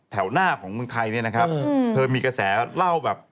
แถวหน้าของเมืองไทยเนี่ยนะครับเธอมีกระแสเล่าแบบ